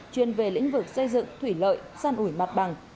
chuyên về lĩnh vực xây dựng thủy lợi san ủi mặt bằng